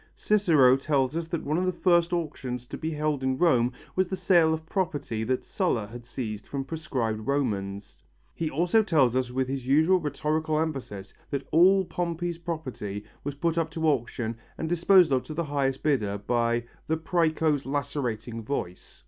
Cicero tells us that one of the first auctions to be held in Rome was the sale of property that Sulla had seized from proscribed Romans. He also tells us with his usual rhetorical emphasis that all Pompey's property was put up to auction and disposed of to the highest bidder by "the præco's lacerating voice."